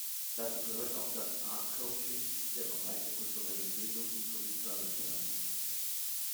Dazu gehört auch das Art Coaching, der Bereich der Kulturellen Bildung sowie „Service Learning“.